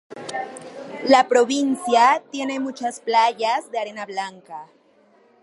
La provincia tiene muchas playas de arena blanca.